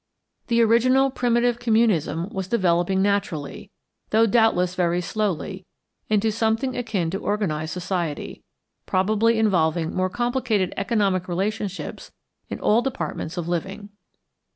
The original primitive communism was developing naturally, though doubtless very slowly, into something akin to organized society, probably involving more complicated economic relationships in all departments of living.